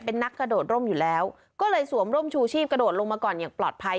เป็นนักกระโดดร่มอยู่แล้วก็เลยสวมร่มชูชีพกระโดดลงมาก่อนอย่างปลอดภัย